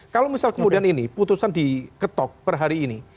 kalau misal kemudian ini putusan diketok per hari ini